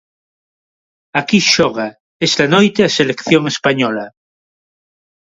Aquí xoga esta noite a selección española.